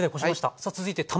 さあ続いて卵。